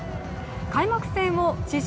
開幕戦を史上